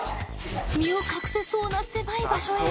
身を隠せそうな狭い場所へ。